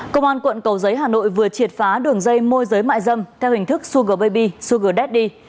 công an quận cầu giấy hà nội vừa triệt phá đường dây môi giấy mại dâm theo hình thức sugar baby sugar daddy